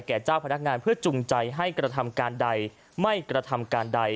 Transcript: เจ้าพนักงานเพื่อจุงใจให้กระทำการใดไม่กระทำการใด